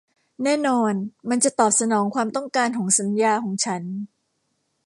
แน่นอนมันจะตอบสนองความต้องการของสัญญาของฉัน